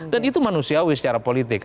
dan itu manusiawi secara politik